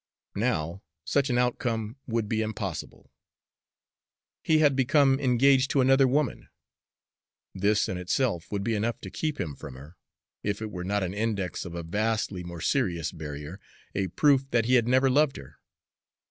Now, such an outcome would be impossible. He had become engaged to another woman, this in itself would be enough to keep him from her, if it were not an index of a vastly more serious barrier, a proof that he had never loved her.